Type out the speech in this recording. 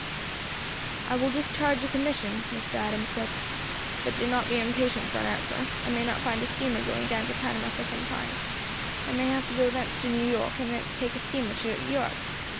"I will discharge your commission," Mr. Adams said. "But do not be impatient for an answer; I may not find a steamer going down to Panama for some time, and may have to go thence to New York, and thence take a steamer to Europe.